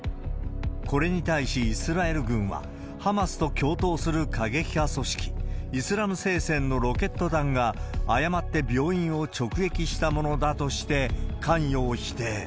これに対し、イスラエル軍は、ハマスと共闘する過激派組織イスラム聖戦のロケット弾が、誤って病院を直撃したものだとして、関与を否定。